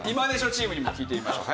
チームにも聞いていきましょう。